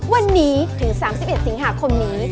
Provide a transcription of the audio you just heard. วันนี้ถึง๓๑สิงหาคมนี้